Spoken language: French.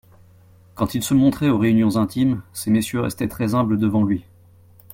Quand il se montrait aux réunions intimes, ces messieurs restaient très-humbles devant lui.